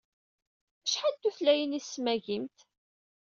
Acḥal n tutlayin ay tesmagimt?